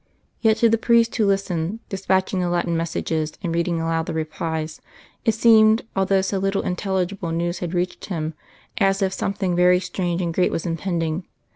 Yet to the priest who listened, despatching the Latin messages, and reading aloud the replies, it seemed, although so little intelligible news had reached him, as if something very strange and great was impending.